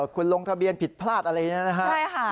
คุณลงทะเบียนผิดพลาดอะไรอย่างนี้นะฮะ